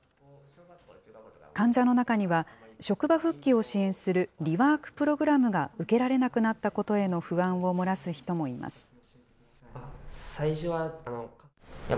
患者の中には、職場復帰を支援するリワークプログラムが受けられなくなったことへの不安を漏らす人もいます。